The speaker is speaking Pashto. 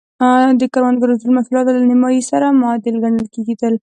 د کروندګرو د ټولو محصولاتو له نییمایي سره معادل ګڼل کېدل.